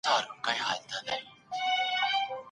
هیڅوک په دنیا کي بې عیبه نه دی.